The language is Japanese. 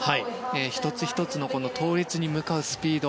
１つ１つの倒立に向かうスピード